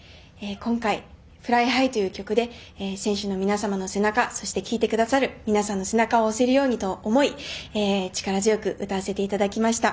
今回「ＦｌｙＨｉｇｈ」という曲で選手の皆様の背中そして聴いてくださる皆さんの背中を押せるようにと思い力強く歌わせていただきました。